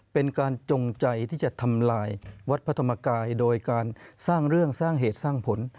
เป็นการจงใจที่จะทำลายวัดพระธรรมกายโดยการสร้างเรื่องสร้างเหตุสร้างผล